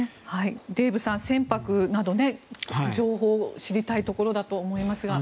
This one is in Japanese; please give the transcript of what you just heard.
デーブさん船舶など情報を知りたいところだと思いますが。